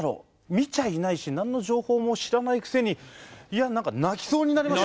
見ちゃいないし何の情報も知らないくせにいや何か泣きそうになりました。